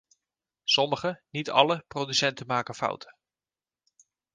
Sommige, niet alle producenten maken fouten.